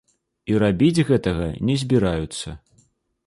І рабіць гэтага не збіраюцца.